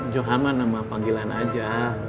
johan mah nama panggilan aja